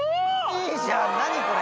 いいじゃん何これ！